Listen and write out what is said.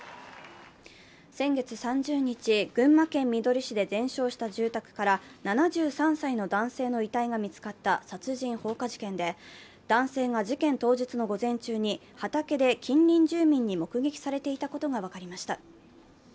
先月３０日、群馬県みどり市で全焼した住宅から７３歳の男性の遺体が見つかった殺人・放火事件で、男性が事件当日の午前中に畑で近隣住民に目撃されていたことが分かりました。